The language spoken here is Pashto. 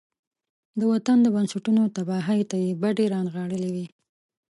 د وطن د بنسټونو تباهۍ ته يې بډې را نغاړلې وي.